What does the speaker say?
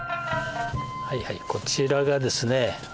はいはいこちらがですね